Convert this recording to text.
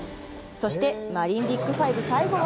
そして、マリンビック５、最後は？